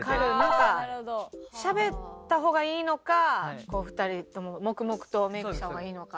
なんかしゃべった方がいいのか２人とも黙々とメイクした方がいいのか。